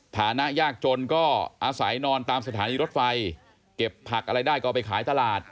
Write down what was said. ฐานะยากจนก็อาศัยนอนตามสถานีรถไฟเก็บผักอะไรได้ก็เอาไปขายตลาด